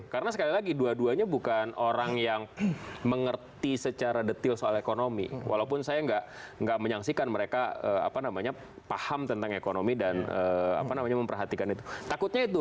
karena sekali lagi dua duanya bukan orang yang mengerti secara detail soal ekonomi walaupun saya nggak menyaksikan mereka paham tentang ekonomi dan memperhatikan itu takutnya itu